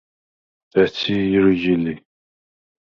დეცი ჲჷრჟი ლი.